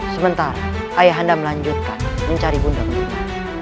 sementara ayah anda melanjutkan mencari bunda bunda